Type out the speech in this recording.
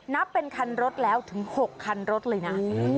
นับเป็นคันรถแล้วถึง๖คันรถเลยนะ